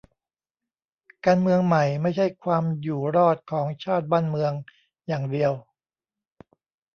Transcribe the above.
การเมืองใหม่ไม่ใช่ความอยู่รอดของชาติบ้านเมืองอย่างเดียว